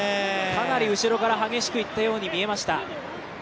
かなり後ろから激しくいったように見えました。